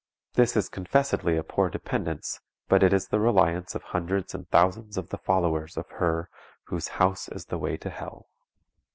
This is confessedly a poor dependence, but it is the reliance of hundreds and thousands of the followers of her whose "house is the way to hell."